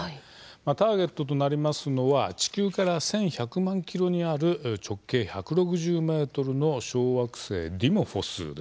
ターゲットとなりますのは地球から１１００万ｋｍにある直径１６０ｍの小惑星ディモフォス。